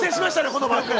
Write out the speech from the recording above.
この番組。